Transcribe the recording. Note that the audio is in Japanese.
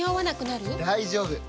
大丈夫！